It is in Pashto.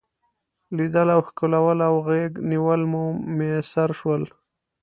لیدل او ښکلول او غیږ نیول مې میسر شول.